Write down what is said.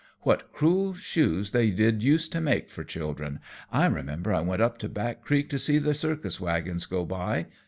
"What cruel shoes they did use to make for children. I remember I went up to Back Creek to see the circus wagons go by.